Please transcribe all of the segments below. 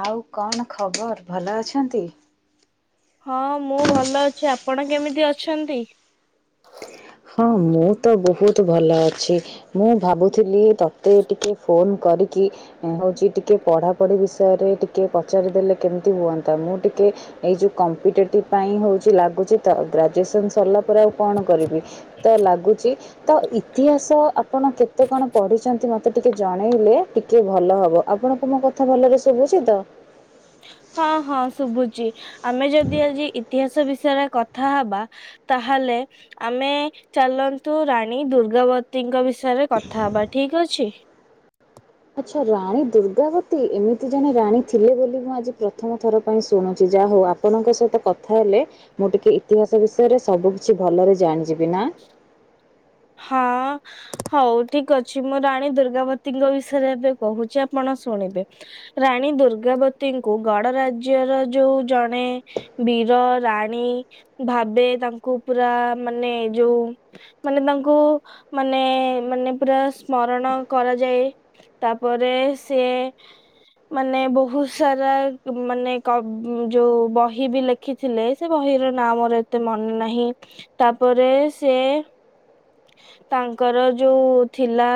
ଆଉ କଣ ଖବର ଭଲ ଅଛନ୍ତି? ହଁ ମୁଁ ଭଲ ଅଛି ଆପଣ କେମିତି ଅଛନ୍ତି? ହଁ ମୁଁ ତ ବହୁତ ଭଲ ଅଛି। ମୁଁ ଭାବୁଥିଲି ତତେ ଟିକେ ଫୋନ କରିକି ହଉଛି ଟିକେ ପଢାପଢି ବିଷୟରେ ଟିକେ ପଚାରିଦେଲେ କେମିତି ହୁଅନ୍ତା ମୁଁ ଟିକେ ଏଇ ଯୋଉ କମ୍ପିଟେଟିଭ ପାଇଁ ହଉଛି ଲାଗୁଛି ତ ଗ୍ରାଜୁଏସନ ସରିଲା ପରେ ଆଉ କଣ କରିବି? ତ ଲାଗୁଛି। ତ ଇତିହାସ ଆପଣ କେତେ କଣ ପଢିଛନ୍ତି ମତେ ଟିକେ ଜଣେଇଲେ? ଟିକେ ଭଲ ହବ ଆପଣଙ୍କୁ ମୋ କଥା ଭଲରେ ଶୁଭୁଛି ତ ହଁ ହଁ ଶୁଭୁଚି ଆମେ ଯଦି ଆଜି ଇତିହାସ ବିଷୟରେ କଥା କଥାହବା ତାହେଲେ ଆମେ ଚାଲନ୍ତୁ ରାଣୀ ଦୁର୍ଗାବତୀଙ୍କ ବିଷୟରେ ତାଦେହରେ କଥା ହବା ଠିକ ଅଛି। ଆଚ୍ଛା ରାଣୀ ଦୁର୍ଗାବତୀ ଏମିତି ଜଣେ ରାଣୀ ଥିଲେ ବୋଲି ମୁଁ ଆଜି ପ୍ରଥମ ଥର ପାଇଁ ଶୁଣୁଛି ଯାହା ହଉ ଆପଣଙ୍କ ସହିତ କଥା ହେଲେ ମୁଁ ଟିକେ ଇତିହାସ ବିଷୟରେ ସବୁ କିଛି ଭଲରେ ଜାଣିଯିବିନା? ହଁ। ହଉ ଠିକ ଅଛି ମୁଁ ରାଣୀ ଦୁର୍ଗାବତୀଙ୍କ ବିଷୟରେ ଏବେ କହୁଛି ଆପଣ ଶୁଣିବେ? ରାଣୀ ଦୁର୍ଗାବତୀଙ୍କୁ ଗଡ ରାଜ୍ୟର ଯୋଉ ଜଣେ ବୀର ରାଣୀ ଭାବେ ତାଙ୍କୁ ପୁରା ମାନେ ଯୋଉ ମାନେ ତାଙ୍କୁ ମାନେ ମାନେ ପୁରା ସ୍ମରଣ କରାଯାଏ। ତାପରେ ଶେ ମାନେ ବହୁତ ସାରା ମାନେ କ ଯୋଉ ବହି ବି ଲେ ଲେଖିଥିଲେ ସେ ବହିର ନାଁ ମୋର ଏତେ ମନେ ନାହିଁ। ତାପରେ ସେ- ତାଙ୍କର ଯୋଉ ଥିଲା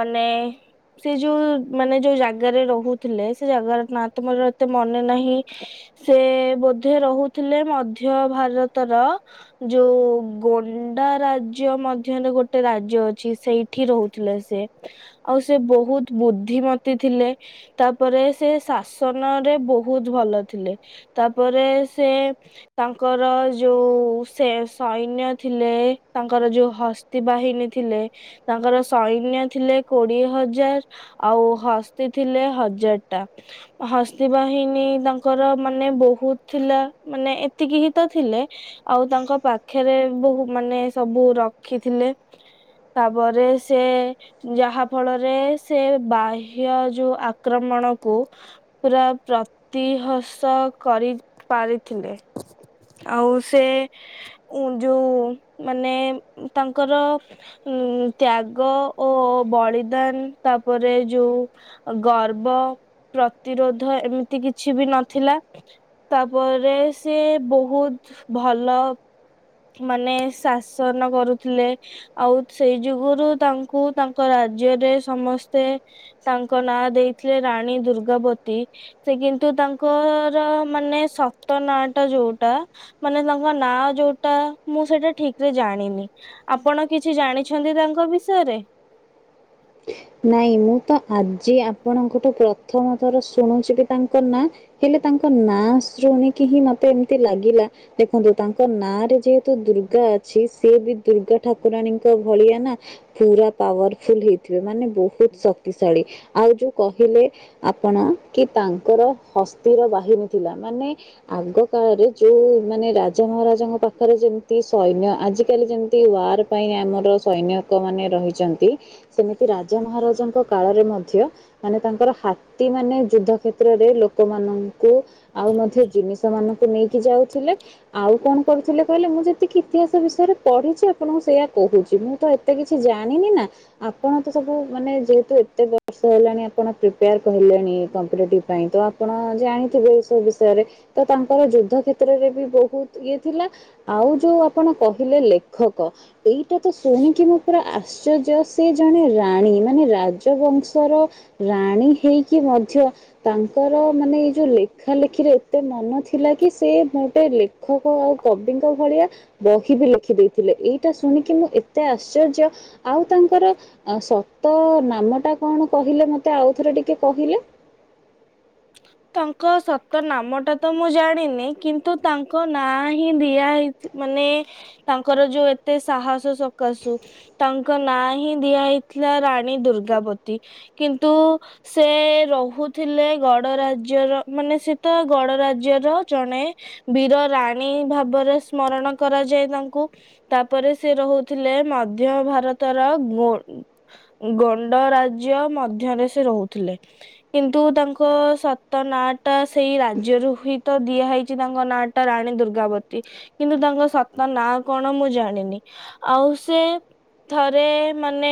ମାନେ- ସେ ଯୋଉ ମାନେ ଯୋଉ ଜାଗାରେ ରହୁଥିଲେ ସେ ଜାଗାର ନା ତ ମୋର ଏତେ ମନେ ନାହିଁ। ସେ ବୋଧେ ରହୁଥିଲେ ମଧ୍ୟ ଭାରତର- ଯୋଉ ଗୋଣ୍ଡା ରାଜ୍ୟ- ରାଜ୍ୟ ମଧ୍ୟରେ ଗୋଟେ ରାଜ୍ୟ ଅଛି ସେଇଠି ରହୁଥିଲେ ଶେ। ଆଉ ସେ ବହୁତ ବୁଦ୍ଧିମତି ଥିଲେ। ତାପରେ ସେ ଶାସନ ରେ ବହୁତ ଭଲ ଥିଲେ। ତାପରେ ସେ ତାଙ୍କର ଯୋଉ ସେ ସୈନ୍ୟ ଥିଲେ ତାଙ୍କର ଯୋଉ ହସ୍ତି ବାହିନୀ ଥିଲେ, ତାଙ୍କର ସୈନ୍ୟ ଥିଲେ କୋଡିଏ ହଜାର- ଆଉ ହସ୍ତି ଥିଲେ ହଜାର ଟା। ହସ୍ତିବାହିନି ତାଙ୍କର ମାନେ ବହୁତ ଥିଲା ମାନେ ଏତିକି ହିଁ ତ ଥିଲେ- ଆଉ ତାଙ୍କ ପାଖରେ ବହୁ ମାନେ ସବୁ ରଖିଥିଲେ। ତାପରେ ସେ- ଯାହା ଫଳରେ ସେ ବାହ୍ୟ ଯୋଉ ଆକ୍ରମଣ କୁ ପୁରା ପ୍ରତିହସ କରିପାରିଥିଲେ। ଆଉ ସେ ଉ ଯୋଉ ମାନେ ତାଙ୍କର ଉ ତ୍ୟାଗ ଓ ବଳିଦାନ ତାପରେ ଯୋଉ ଗର୍ବ, ପ୍ରତିରୋଧ ଏମିତି କିଛି ବି ନଥିଲ। ତାପରେ ସିଏ ବହୁତ ଭଲ ମାନେ- ଶାସନ କରୁଥିଲେ ଆଉ ସେଇ ଯୋଗରୁ ତାଙ୍କୁ ତାଙ୍କ ରାଜ୍ୟରେ ସମସ୍ତେ- ତାଙ୍କ ନାଁ ଦେଇଥିଲେ ରାଣୀ ଦୁର୍ଗାବତୀ। ସେ କିନ୍ତୁ ତାଙ୍କର ମାନେ ସତ ନାଁ ଟା ଯୋଉଟା ମାନେ ତାଙ୍କ ନାଁ ଯୋଉଟା ମୁଁ ସେଇଟା ଠିକ୍ ଜାଣିନି। ଆପଣ କିଛି ଜାଣିଛନ୍ତି ତାଙ୍କ ବିଷୟରେ? ନାଇଁ, ମୁଁ ତ ଆଜି ଆପଣଙ୍କଠୁ ପ୍ରଥମ ଥର ଶୁଣୁଛି କି ତାଙ୍କ ନାଁ। ହେଲେ ତାଙ୍କ ନାଁ ଶୁଣିକି ହିଁ ମତେ ଏମିତି ଲାଗିଲା ଦେଖନ୍ତୁ ତାଙ୍କ ନାଁ ରେ ଯେହେତୁ ଦୁର୍ଗା ଅଛି ସେ ବି ଦୁର୍ଗା ଠାକୁରାଣୀଙ୍କ ଭଳିଆ ନା। ପୁରା ପାୱାରଫୁଲ ହେଇଥିବେ ମାନେ ବହୁତ ଶକ୍ତିଶାଳୀ। ଆଉ ଯୋଉ କହିଲେ ଆପଣ କି ତାଙ୍କର ହସ୍ତିର ବାହିନୀ ଥିଲା। ମାନେ ଆଗ କାଳରେ ଯୋଉ ମାନେ ରାଜା ମହାରାଜାଙ୍କ ପାଖରେ ଯେମିତି ସୈନ୍ୟ ଆଜିକାଲି ଯେମିତି ୱାର୍- ପାଇଁ ଆମର ସୈନ୍ୟୈକ ମାନଙ୍କ ରହିଛନ୍ତି ସେମିତି ରାଜା ମହାରାଜାଙ୍କ କାଳରେ ମଧ୍ୟ- ମାନେ ତାଙ୍କର ହାତୀ ମାନେ ଯୁଦ୍ଧ କ୍ଷେତ୍ରରେ ଲୋକମାନଙ୍କୁ- ଆଉ ମଧ୍ୟ ଜିନିଷ ମାନଙ୍କୁ ନେଇକି ଯାଉଥିଲେ। ଆଉ କଣ କରୁଥିଲେ କହିଲେ ମୁଁ ଯେତିକି ଇତିହାସ ବିଷୟରେ ପଢିଛି ଆପଣଙ୍କୁ ସେୟା କହୁଛି, ମୁଁ ତ ଏ ଏତେ କିଛି ଜାଣିନି ନା। ଆପଣ ତ ସବୁ ମାନେ ଯେହେତୁ ଏତେ ବର୍ଷ ହେଲାଣି ଆପଣ ପ୍ରିପେୟାର ହେଲେଣି କମ୍ପିଟେଟିପ୍ ପାଇଁ ତ ଆ ଆପଣ ଜାଣିଥିବେ ଏ ସବୁ ବିଷୟରେ ତ ତାଙ୍କର ଯୁଦ୍ଧ କ୍ଷେତ୍ରରେ ବି ବହୁତ ଇଏ ଥିଲା। ଆଉ ଯୋଉ ଆପଣ କହିଲେ ଲେଖକ ଏଇଟା ତ ଶୁଣିକି ମୁଁ ପୁରା ଆଶ୍ଚର୍ଯ୍ୟ ସେ ଜଣେ ରାଣୀ ମାନେ ରାଜବଂଶର ରାଣୀ ହେଇକି ମଧ୍ୟ ତାଙ୍କର ମାନେ ଏଇ ଯେଉଁ ଲେଖା ଲେଖିରେ ଏତେ ମନ ଥିଲା କି ସେ ଗୋଟେ ଖକ ଆଉ କବିଙ୍କ ଭଳିଆ ବହି ବି ଲେଖିଦେଇଥିଲେ ଏଇଟା ଶୁଣିକି ମୁଁ ଏତେ ଆଶ୍ଚର୍ଯ୍ୟ, ଆଉ ତାଙ୍କର ସତ ନାମଟା କଣ କହିଲେ ମୋତେ ଆଉଥରେ ଟିକେ କହିଲେ? ତାଙ୍କ ସତ ନାମଟା ତ ମୁଁ ଜାଣିନି କିନ୍ତୁ ତାଙ୍କ ନାଁ ହିଁ ଦିଆ ହେଇ- ମାନେ ତାଙ୍କର ଯୋଉ ଏତେ ସାହସ ସକାଶୁ ତାଙ୍କ ନାଁ ହିଁ ଦିଆ ହେଇଥିଲା ରାଣୀ ଦୁର୍ଗାବତି। କିନ୍ତୁ ସେ ରହୁଥିଲେ ଗଡ ରାଜ୍ୟର ମାନେ ସେ ତ ଗଡ ରାଜ୍ୟର ଜଣେ ବୀର ରାଣୀ ଭାବରେ ସ୍ମରଣ କରାଯାଏ ତାଙ୍କୁ। ତାପରେ ସେ ରହୁଥିଲେ ମଧ୍ୟ ଭାରତର ଗୁ ଗଣ୍ଡ ରାଜ୍ୟ ମଧ୍ୟରେ ସେ ରହୁଥିଲେ କିନ୍ତୁ ତାଙ୍କ ଙ୍କ ସତ ନାଁଟା ସେଇ ରାଜ୍ୟରୁ ହିତ ଦିଆହଇଛି ତାଙ୍କ ନାଁଟା ରାଣୀ ଦୁର୍ଗାବତୀ। କିନ୍ତୁ ତାଙ୍କ ସତ ନାଁ କଣ ମୁଁ ଜାଣିନି ଆଉ ସେ ଥରେ ମାନେ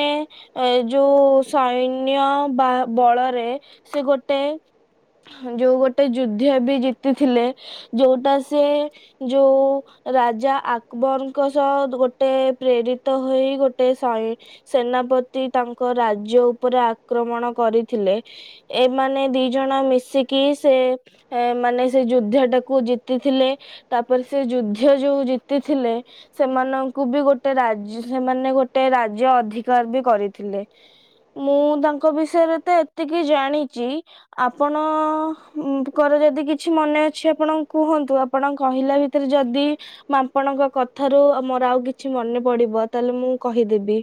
ଏ ଯୋଉ ସୈନ୍ୟ ବା ବଳରେ ସେ ଗୋଟେ ଯୋଉ ଗୋଟେ ଯୁଦ୍ଧ ବି ଜିତିଥିଲେ ଯୋଉଟା ସେ ଯୋଉ ରାଜା ଆକବରଙ୍କ ସହ ଗୋଟେ ପ୍ରେରିତ ହୋଇ ଗୋଟେ ସ ସେନାପତି ତାଙ୍କ ରାଜ୍ୟ ଉପରେ ଆକ୍ରମଣ କରିଥିଲେ ଏ ମାନେ ଦି ଜଣ ମିଶିକି ସେ ମାନେ ସେ ଯୁଦ୍ଧଟାକୁ ଜିତିଥିଲେ। ତାପରେ ସେ ଯୁଦ୍ଧ ଯୋଉ ଜିତିଥିଲେ ସେମାନଙ୍କୁ ବି ଗୋଟେ ରାଜ ସେମାନେ ଗୋଟେ ରାଜ୍ୟ ଅଧିକାର ବି କରିଥିଲେ। ମୁଁ ତାଙ୍କ ବିଷୟରେ ତ ଏତିକି ଜାଣିଛି ଆପଣଙ୍କର ଯଦି କିଛି ମନେ ଅଛି ଆପଣ କୁହନ୍ତୁଆପ ଆପଣ କହିଲା ଭିତରେ ଯଦି ମୁଁ ଆପଣଙ୍କ କଥାରୁ ମୋର ଆଉ କିଛି ମନେ ପଡିବ ତାହେଲେ ମୁଁ କହିଦେବି।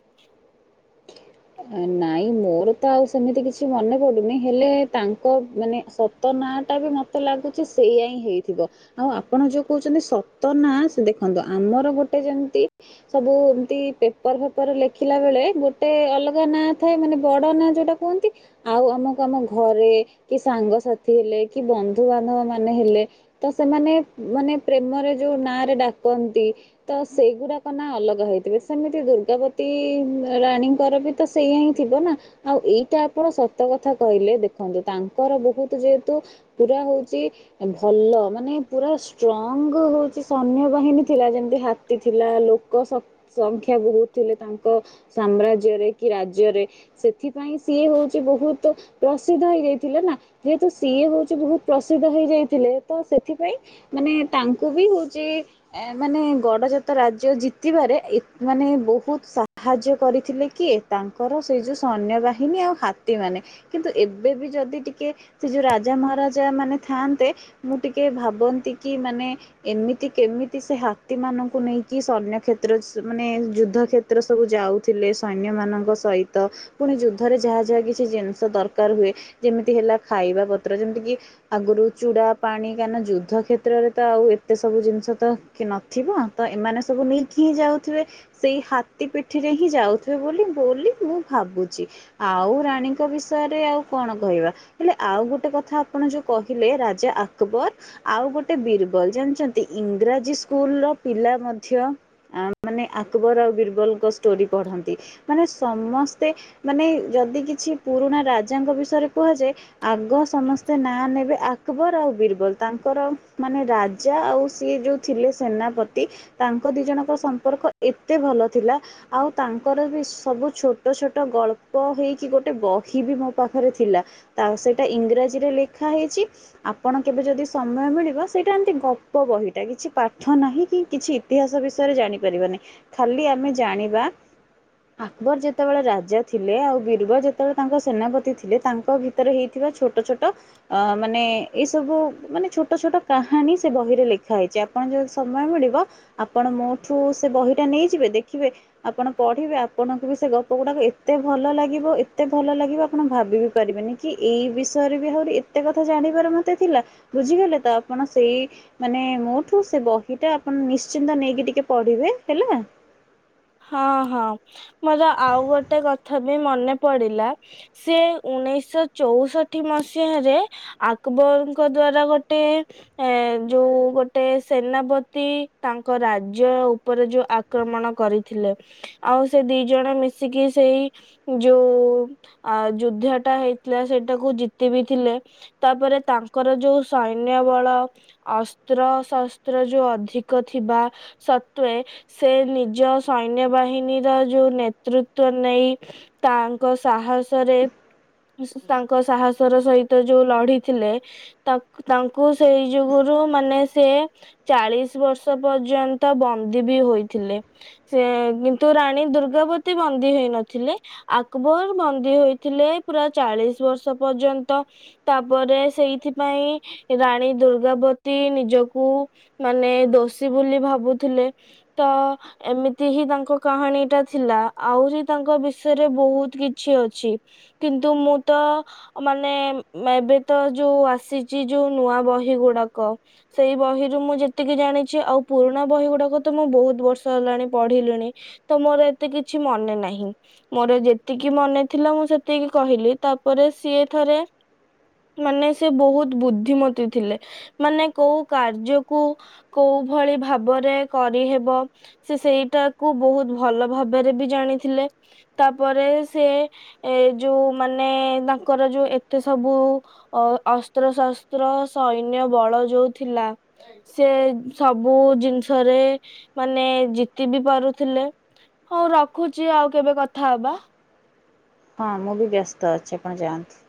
ନାଇଁ ମୋର ତ ଆଉ ସେମିତି କିଛି ମନେ ପଡୁନି ହେଲେ ତାଙ୍କ ମାନେ ସ ତ ନାଁଟା ବି ମୋତେ ଲାଗୁଛି ସେଇୟା ହିଁ ହେଇଥିବ। ଆଉ ଆପଣ ଯୋଉ କହୁଛନ୍ତି ସତନା ଦେଖନ୍ତୁ ଆମର ଗୋଟେ ଯେମିତି ସବୁ ଏମତି ପେପର ଫେପର ଲେଖିଲା ବେଳେ ଗୋଟେ ଅଲ ନାଁ ଥାଏ ମାନେ ବଡ ନାଁ ଯୋଉଟା କୁହନ୍ତି। ଆଉ ଆମକୁ ଆମ ଘରେ କି ସାଙ୍ଗସାଥି ହେଲେ କି ବନ୍ଧୁବାନ୍ଧବ ମାନେ ହେଲେ ତ ସେମାନେ ମାନେ ପ୍ରେମରେ ଯୋଉ ନାଁରେ ଡାକନ୍ତି ତ ସେଇଗୁଡାକ ନାଁ ଅଲଗା ହେଇଥିବେ ସେମିତି ଦୁର୍ଗାପତି ରାଣୀଙ୍କର ବି ତ ସେଇଆା ହିଁ ଥିବ ନା। ଆଉ ଏଇଟା ଆପଣ ସତ କଥା କହିଲେ ଦେଖନ୍ତୁ ତାଙ୍କର ବହୁତ ଯେହେତୁ ପୁରା ହଉଛି ଭଲ ମାନେ ପୁରା ଷ୍ଟ୍ରଙ୍ଗ ହଉଛି ସୈନ୍ୟ ବାହିନୀ ଥିଲା ଯେମତି ହା ଥିଲା ଲୋକ ସଂଖ୍ୟା ବହୁତ ଥିଲେ ତାଙ୍କ ସାମ୍ରାଜ୍ୟରେ କି ରାଜ୍ୟରେ। ସେଥିପାଇଁ ସିଏ ହଉଛି ବହୁତ ପ୍ରସିଦ୍ଧ ହେଇଯାଇଥିଲା ନା। ଯେହେତୁ ସିଏ ହଉଛି ବହୁତ ପ୍ରସିଦ୍ଧ ହେଇ ଯାଇଥିଲେ ତ ସେଥିପାଇଁ ମାନେ ତାଙ୍କୁ ବି ହଉଛି ଏ ମାନେ ଗଡ଼ଜାତ ରାଜ୍ୟ ଜିତିବାରେଏମାନେ ବହୁତ ସାହାଯ୍ୟ କରିଥିଲେ କିଏ ତାଙ୍କର ସେଇ ଯେଉଁ ସୈନ୍ୟବାହିନୀ ଆଉ ହାତୀମାନେ କିନ୍ତୁ ଏବେ ବି ଯଦି ଟିକିଏ ସେ ଯୋଉ ରାଜା ମହାରାଜା ମାନେ ଥାନ୍ତେ ମୁଁ ଟିକେ ଭାବନ୍ତି କି ମାନେ ଏମିତି କେମିତି ସେ ହାତୀ ମାନଙ୍କୁ ନେଇକି ସୈନ୍ୟ କ୍ଷେତ୍ର ମାନେ ଯୁଦ୍ଧ କ୍ଷେତ୍ର କ୍ଷେତ୍ର ସବୁ ଯାଉଥିଲେ ସୈନ୍ୟ ମାନଙ୍କ ସହିତ ପୁଣି ଯୁଦ୍ଧରେ ଯାହା ଯାହା କିଛି ଜିନିଷ ଦରକାର ହୁଏ ଯେମିତି ହେଲା ଖାଇବା ପତ୍ର ଯେମିତି କି ଆଗୁରୁ ଚୁଡା ପାଣି କାହିଁକିନା ଯୁଦ୍ଧ କ୍ଷେତ୍ରରେ ତ ଆଉ ଏତେ ସବୁ ଜିନିଷ ତ କି ନଥିବ ତ ଏମାନେ ସବୁ ନେଇକି ହିଁ ଯାଉଥିବେ। ସେଇ ହାତୀ ପିଠିରେ ହିଁ ଯାଉଥିବେ ବୋଲି ବୋଲି ମୁଁ ଭାବୁଛି। ଆଉ ରାଣୀଙ୍କ ବିଷୟରେ ଆଉ କଣ କହିବା। ହେଲେ ଆଉ ଗୋଟେ କଥା ଆପଣ ଯୋଉ କହିଲେ ରାଜା ଆକବର ଆଉ ଗୋଟେ ବୀରବଲ ଜାଣିଛନ୍ତି ଇଂରାଜୀ ସ୍କୁଲର ପିଲା ମଧ୍ୟ ଆ ମାନେ ଆକବର ଆଉ ବୀରବଲଙ୍କ ଷ୍ଟୋରି ପଢନ୍ତି ମାନେ ସମସ୍ତେ ମାନେ ଯଦି କିଛି ପୁରୁଣା ରାଜାଙ୍କ ବିଷୟରେ କୁହାଯାଏ ଆଗ ସମସ୍ତେ ନାଁ ନେବେ ଆକବର ଆଉ ବୀରିବଲ ତାଙ୍କର ମାନେ ରାଜା ଆଉ ସିଏ ଯୋଉ ଥିଲେ ସେନାପତି ତାଙ୍କ ଦି ଜଣଙ୍କ ସମ୍ପର୍କ ଏତେ ଭଲ ଥିଲା ଆଉ ତାଙ୍କର ବି ସ୍ ସବୁ ଛୋଟ ଛୋଟ ଗଳ୍ପ ହେଇକି ଗୋଟେ ବହି ବି ମୋ ପାଖରେ ଥିଲା। ତା ସେଇଟା ଇଂରାଜୀରେ ଲେଖା ହେଇଛି। ଆପଣ କେବେ ଯଦି ସମୟ ମିଳିବ ସେଇଟା ଏମିତି ଗପ ବହିଟା କିଛି ପାଠ ନାହିଁ କି କିଛି ଇତିହାସ ବିଷୟରେ ଜାଣିପାରିବନି ଖାଲି ଆମେ ଜାଣିବା ଆକବର ଯେତେବେଳେ ରାଜା ଥିଲେ ଆଉ ବୀରବ ଯେତେବେଳେ ତାଙ୍କ ସେନାପତି ଥିଲେ ତାଙ୍କ ଭିତ ତରେ ହେଇଥିବା ଛୋଟ ଛୋଟ ଅ ମାନେ ଏଇ ସବୁ ମାନେ ଛୋଟ ଛୋଟ କାହାଣୀ ସେ ବହିରେ ଲେଖା ହେଇଛି ଆ ପଣ ଯଦି ସମୟ ମିଳିବ ଆପଣ ମୋଠୁ ସେ ବହିଟା ନେଇଯିବେ ଦେଖିବେ ଆପଣ ପଢ଼ିବେ ଆ ଆପଣଙ୍କୁ ବି ସେ ଗପ ଗୁଡାକ ଏତେ ଭଲ ଲାଗିବ ଏତେ ଭଲ ଲାଗିବ ଆପଣ ଭାବି ବିି ପାରିବେନି। କି ଏଇ ବିଷୟରେ ବି ଆହୁରି ଏତେ କଥା ଜାଣିବାର ମତେ ଥିଲା ବୁଝିଗଲେ ତ ଆପଣ ସେଇ ମାନେ ମୋଠୁ ସେ ବହି ଟା ଆପଣ ନିଶ୍ଚିନ୍ତ ନେଇକି ଟିକେ ପଢିବେ ହେଲା। ହଁ ହଁ ମୋର ଆଉ ଗୋଟେ କଥା ବି ମନେ ପଡିଲା। ସେ ଉଣେଇଶ ଚୋଉଷଠି ମସିହାରେ ଆକବରଙ୍କ ଦ୍ଵାରା ଗୋଟେ ଏ ଯୋଉ ଗୋଟେ ସେନାପତି ତାଙ୍କ ରାଜ୍ୟ ଉପରେ ଯୋଉ ଆକ୍ରମଣ କରି ଥିଲେ ଆଉ ସେ ଦି ଜଣ ମିଶିକି ସେଇ ଯୋଉ ଆ ଯୁଦ୍ଧ ଟା ହେଇଥିଲା ସେଇଟାକୁ ଜିତି ବିି ଥିଲେ। ତାପରେ ତାଙ୍କର ଯୋଉ ସୈନ୍ୟ ବଳ ଅସ୍ତ୍ର ଶସ୍ତ୍ର ଯୋଉ ଅଧିକ ଥିବା ସତ୍ୱେ ସେ ନିଜ ସୈନ୍ୟ ବାହିନୀର ଯୋଉ ନେତୃତ୍ୱ ନେଇ ତାଙ୍କ ସାହସରେ ଉସୂ ସ୍ ତାଙ୍କ ସାହସର ସହିତ ଯୋଉ ଲଢିଥିଲେ। ତାକ୍ ତାଙ୍କୁ ସେଇ ଯୁଗୁରୁ ମାନେ ସେ ଚାଳିଶି ବର୍ଷ ପର୍ଯ୍ୟନ୍ତ ବନ୍ଦୀ ବି ହୋଇଥିଲେ। ସେ କିନ୍ତୁ ରାଣୀ ଦୁର୍ଗାବତି ବନ୍ଦୀ ହେଇନଥିଲେ। ଆକବର ବନ୍ଦୀ ହୋଇଥିଲେ ପୁରା ଚାଳିଶି ବର୍ଷ ପର୍ଯ୍ୟନ୍ତ। ତାପରେ ସେଇଥିପାଇଁ ରାଣୀ ଦୁର୍ଗାବତୀ ନିଜକୁ ମାନେ ଦୋଷୀ ବୋଲି ଭାବୁଥିଲେ ତ ଏମିତ୍ ତି ହିଁ ତାଙ୍କ କାହାଣୀ ଟା ଥିଲା ଆହୁରି ତାଙ୍କ ବିଷୟରେ ବହୁତ କିଛି ଅଛି। କିନ୍ତୁ ମୁଁ ତ ଅ ମାନେ ମେବେ ତ ଯୋଉ ଆସିଛି ଯୋଉ ନୂଆ ବହି ଗୁଡାକ ସେଇ ବହିରୁ ମୁଁ ଯେତିକି ଜାଣିଛି ଆଉ ପୁରୁଣା ବହି ଗୁଡାକ ତ ମୁଁ ବହୁତ ବର୍ଷ ହେଲାଣି ପଢିଲିଣି ତ ମୋର ଏତେ କିଛି ମନେ ନାହିଁ। ମୋର ଯେତିକି ମନେ ଥିଲା ମୁଁ ସେତିକି କହିଲି ତାପରେ ସିଏ ଥରେ ମାନେ ସେ ବହୁତ ବୁଦ୍ଧିମତି ଥିଲେ ମାନେ କୋଉ କାର୍ଯ୍ୟକୁ କୋଉ ଭଳି ଭାବରେ କରିହେବ ସେ ସେଇ ଟାକୁ ବହୁତ ଭଲ ଭାବରେ ବି ଜାଣିଥିଲେ ତାପରେ ସେ ଏ ଯୋଉ ମାନେ ତାଙ୍କର ଯୋଉ ଏତେ ସବୁ ଅ ଅସ୍ତ୍ରଶସ୍ତ୍ର ସୈନ୍ୟ ବଳ ଯୋଉ ଥିଲା। ସେ ସବୁ ଜିନିଷରେ ମାନେ ଜି ତି ବି ପାରୁଥିଲେ ହଉ ରଖୁଛି ଆଉ କେବେ କଥା ହବା। ହଁ ମୁଁ ବି ବ୍ୟସ୍ତ ଅଛି ଆପଣ ଯାଆନ୍ତି।